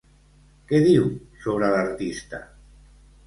Què diu sobre l'artista?